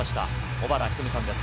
小原日登美さんです。